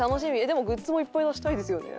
でもグッズもいっぱい出したいですよね。